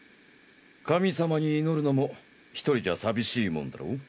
神様に祈るのも一人じゃ寂しいもんだろう？